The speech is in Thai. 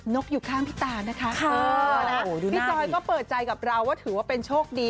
กอยู่ข้างพี่ตานะคะพี่จอยก็เปิดใจกับเราว่าถือว่าเป็นโชคดี